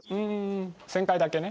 旋回だけね。